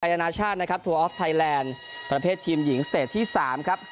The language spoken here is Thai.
นานาชาตินะครับทัวออฟไทยแลนด์ประเภททีมหญิงสเตจที่๓ครับ